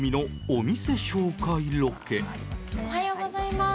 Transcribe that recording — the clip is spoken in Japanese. おはようございます。